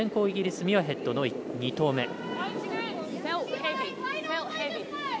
イギリス、ミュアヘッドの２投目。